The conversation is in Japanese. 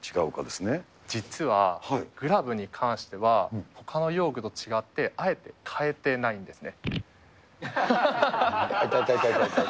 実は、グラブに関しては、ほかの用具と違って、あえて変えてないんですね。